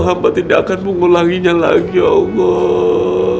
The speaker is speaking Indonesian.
hamba tidak akan mengulanginya lagi ya allah